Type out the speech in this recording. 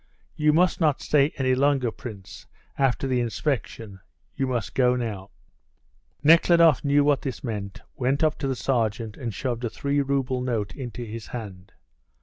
"You must not stay any longer, Prince, after the inspection; you must go now." Nekhludoff knew what this meant, went up to the sergeant and shoved a three rouble note into his hand.